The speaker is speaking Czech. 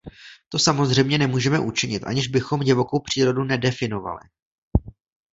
To samozřejmě nemůžeme učinit, aniž bychom divokou přírodu nedefinovali.